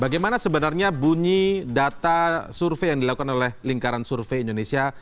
bagaimana sebenarnya bunyi data survei yang dilakukan oleh lingkaran survei indonesia